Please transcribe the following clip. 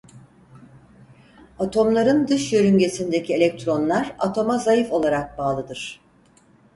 Atomların dış yörüngesindeki elektronlar atoma zayıf olarak bağlıdır.